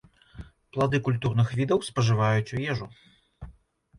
Плады культурных відаў спажываюць у ежу.